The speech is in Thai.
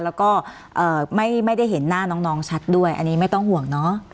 แล้วก็ไม่ได้เห็นหน้าน้องชัดด้วยอันนี้ไม่ต้องห่วงเนอะ